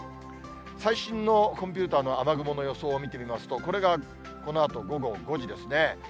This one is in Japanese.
最新のコンピューターの雨雲の予想を見てみますと、これがこのあと午後５時ですね。